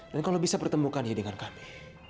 dan kalau bisa pertemukannya dengan kami